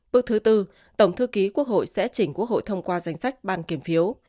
bước bốn tổng thư ký quốc hội sẽ chỉnh quốc hội thông qua danh sách ban kiểm phiếu